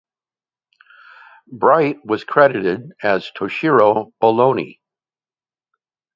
Bright was credited as Toshiro Boloney.